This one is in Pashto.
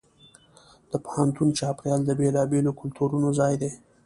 د پوهنتون چاپېریال د بېلابېلو کلتورونو ځای دی.